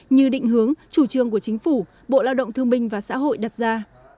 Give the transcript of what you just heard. như định hướng chủ trương của chính phủ bộ lao động thương minh và xã hội đặt ra